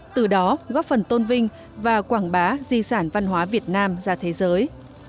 từ đó góp phần tôn vinh và quảng bá di sản văn hóa việt nam ra thế giới